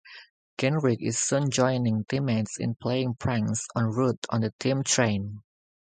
Gehrig is soon joining teammates in playing pranks on Ruth on the team train.